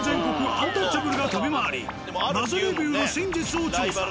アンタッチャブルが飛び回り謎レビューの真実を調査。